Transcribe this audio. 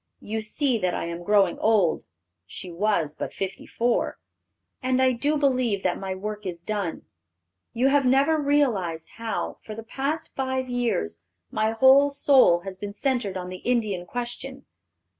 You see that I am growing old" (she was but fifty four), "and I do believe that my work is done. You have never realized how, for the past five years, my whole soul has been centered on the Indian question.